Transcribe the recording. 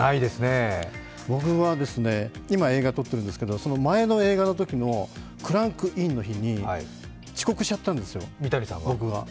僕は今、映画撮ってるんですけど、前の映画のときのクランクインの日に遅刻しちゃったんですよ、僕が。